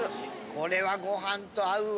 これはごはんと合うわ。